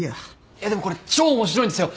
いやでもこれ超面白いんですよ。